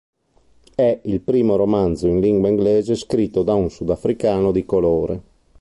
È il primo romanzo in lingua inglese scritto da un sudafricano di colore.